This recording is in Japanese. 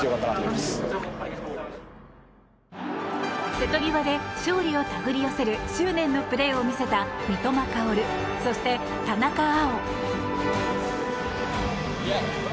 瀬戸際で勝利を手繰り寄せる執念のプレーを見せた三笘薫、そして田中碧。